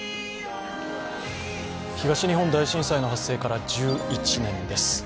東日本大震災の発生から１１年です。